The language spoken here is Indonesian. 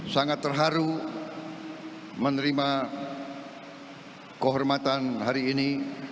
sangat terharu menerima kehormatan hari ini